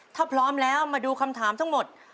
ถ้าพร้อมแล้วมาดูคำถามทั้งหมด